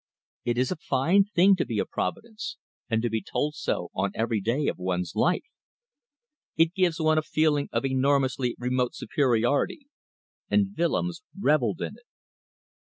It is a fine thing to be a providence, and to be told so on every day of one's life. It gives one a feeling of enormously remote superiority, and Willems revelled in it.